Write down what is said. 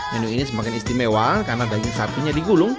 menu ini semakin istimewa karena daging sapinya digulung